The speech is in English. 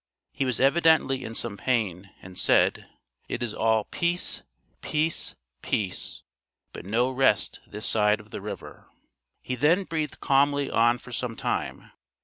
He was evidently in some pain, and said: "It is all peace, peace, peace, but no rest this side of the river." He then breathed calmly on for some time.